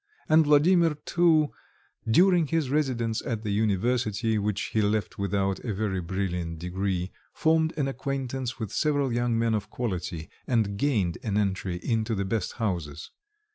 And Vladimir, too, during his residence at the university, which he left without a very brilliant degree, formed an acquaintance with several young men of quality, and gained an entry into the best houses.